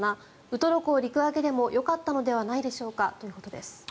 ウトロ港陸揚げでもよかったのではないでしょうかということです。